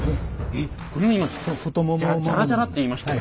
えっこれ今ジャラジャラっていいましたよ。